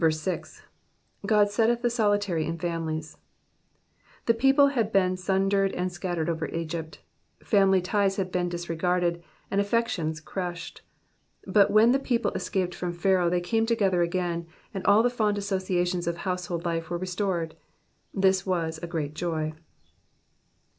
6. ''Ood setteth the solitary in families^ The people had been sundered and scattered over Egypt; family ties had been disregarded, and affections crushed ; but when the people escaped from Pharaoh they came together again, and all the fond associations of household life were restored. This was a great joy.